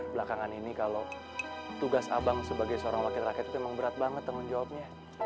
belakangan ini kalau tugas abang sebagai seorang wakil rakyat itu memang berat banget tanggung jawabnya